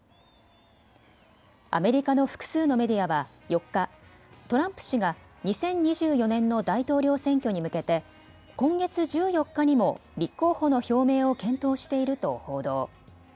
アメリカの複数のメディアは４日、トランプ氏が２０２４年の大統領選挙に向けて今月１４日にも立候補の表明を検討していると報道。